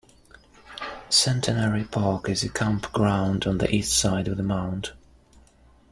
Centenary Park is a camp ground on the East side of the mount.